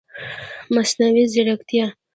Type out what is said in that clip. مصنوعي ځرکتیا